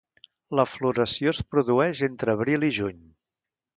La floració es produeix entre abril i juny.